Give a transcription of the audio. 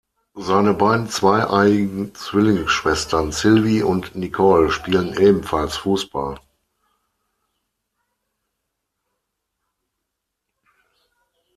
Seine beiden zweieiigen Zwillingsschwestern, Sylvie und Nicole, spielen ebenfalls Fußball.